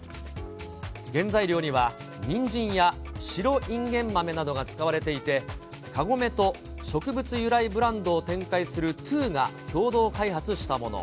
原材料にはニンジンや白いんげん豆などが使われていて、カゴメと植物由来ブランドを展開するＴＷＯが共同開発したもの。